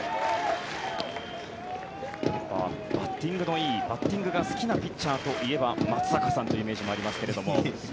バッティングのいいバッティングの好きなピッチャーといえば松坂さんというイメージもありますけども。